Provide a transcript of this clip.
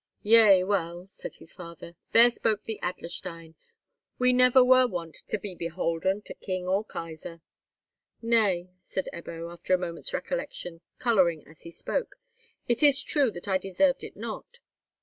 "Yea, well," said his father, "there spoke the Adlerstein. We never were wont to be beholden to king or kaisar." "Nay," say Ebbo, after a moment's recollection, colouring as he spoke; "it is true that I deserved it not.